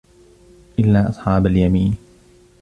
إِلّا أَصحابَ اليَمينِ